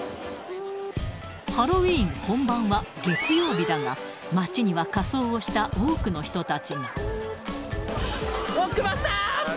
ハロウィーン本番は月曜日だが、街には仮装をした多くの人たちが。